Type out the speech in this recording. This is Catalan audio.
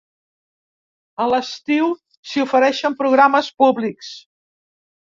A l'estiu s'hi ofereixen programes públics.